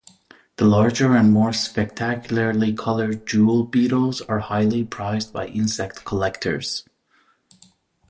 The larger and more spectacularly colored jewel beetles are highly prized by insect collectors.